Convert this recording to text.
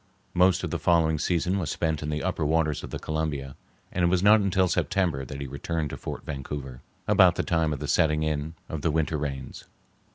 Most of the following season was spent on the upper waters of the Columbia, and it was not until September that he returned to Fort Vancouver, about the time of the setting in of the winter rains.